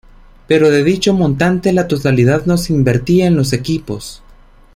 Pero de dicho montante la totalidad no se invertía en los equipos.